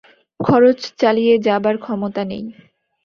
খরচ চালিয়ে যাবার ক্ষমতা নেই।